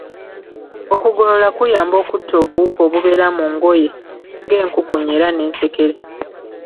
Okugolola kuyamba okutta obuwuka obubeera mu ngoye ng'enkukunyi era n'ensekere